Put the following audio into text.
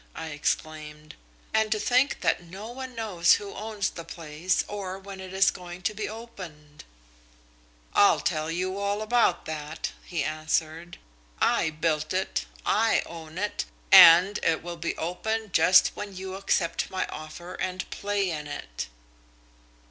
I exclaimed. And to think that no one knows who owns the place or when it is going to be opened!' "'I'll tell you all about that' he answered. 'I built it, I own it, and it will be opened just when you accept my offer and play in it.'